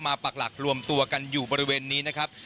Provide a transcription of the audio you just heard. ปักหลักรวมตัวกันอยู่บริเวณนี้นะครับ